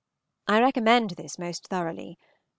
I recommend this most thoroughly.